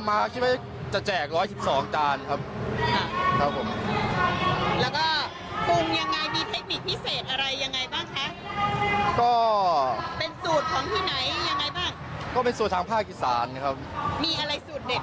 มีอะไรสูตรเด็ด